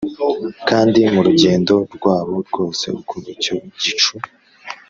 Kandi mu rugendo rwabo rwose uko icyo gicu